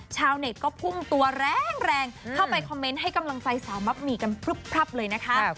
ชาวเน็ตก็พุ่งตัวแรงเข้าไปคอมเมนต์ให้กำลังใจสาวมักหมี่กันพลึบพลับเลยนะคะ